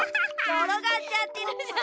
ころがっちゃってるじゃない。